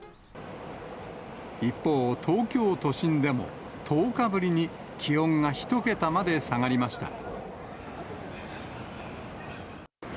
一方、東京都心でも１０日ぶりに気温が１桁まで下がりました。